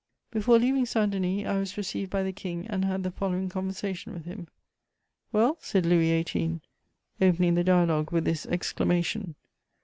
Before leaving Saint Denis, I was received by the King and had the following conversation with him: "Well?" said Louis XVIII., opening the dialogue with this exclamation.